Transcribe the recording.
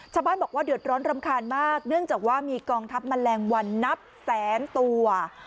ชาวบ้านบอกว่าเดือดร้อนรำคาญมากเนื่องจากว่ามีกองทัพแมลงวันนับแสนตัว